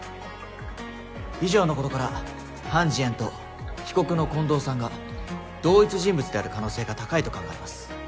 以上のことからハン・ジエンと被告の近藤さんが同一人物である可能性が高いと考えます。